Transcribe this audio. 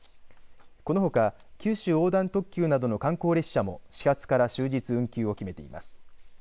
このほか九州横断特急などの観光列車も始発から終日運休を決めています。